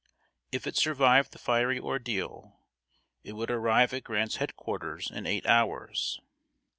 If it survived the fiery ordeal, it would arrive at Grant's head quarters in eight hours.